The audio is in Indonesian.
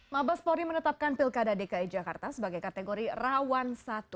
mabespori menetapkan pilkada dki jakarta sebagai kategori rawan satu